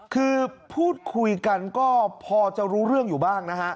คือพูดคุยกันก็พอจะรู้เรื่องอยู่บ้างนะฮะ